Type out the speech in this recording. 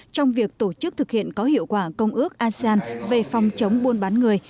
trong việc tổ chức thực hiện có hiệu quả công ước asean về phòng chống buôn bán người